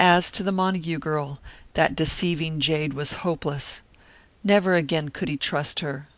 As to the Montague girl, that deceiving jade was hopeless. Never again could he trust her.